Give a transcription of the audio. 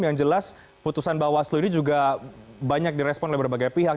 yang jelas putusan bawaslu ini juga banyak direspon oleh berbagai pihak